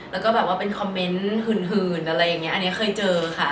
แล้วก็แบบว่าเป็นคอมเมนต์หื่นอะไรอย่างนี้อันนี้เคยเจอค่ะ